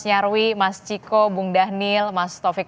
nyarwi mas ciko bung dhanil mas taufik